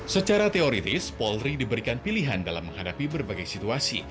secara teoritis polri diberikan pilihan dalam menghadapi berbagai situasi